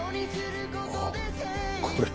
あっこれ。